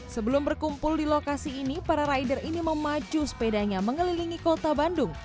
sebelum berkumpul di lokasi ini para rider ini memacu sepedanya mengelilingi kota bandung